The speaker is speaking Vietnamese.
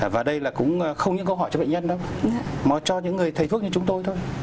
và đây là cũng không những câu hỏi cho bệnh nhân nữa mà cho những người thầy thuốc như chúng tôi thôi